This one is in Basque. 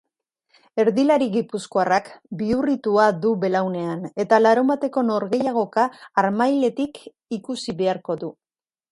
Erdilari gipuzkoarrak bihurritua du belaunean eta larunbateko norgehiagoka harmailetik ikusi beharko du.